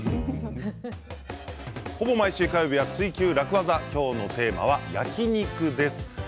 ほぼ毎週火曜日は「ツイＱ楽ワザ」今日のテーマは焼き肉です。